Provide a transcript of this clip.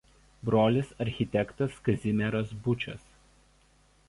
Brolis architektas Kazimieras Bučas.